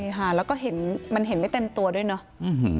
ใช่ค่ะแล้วก็เห็นมันเห็นไม่เต็มตัวด้วยเนาะ